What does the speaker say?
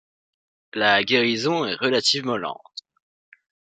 La guérison est relativement lente.